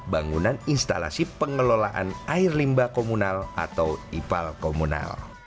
bangunan instalasi pengelolaan air limba komunal atau ipal komunal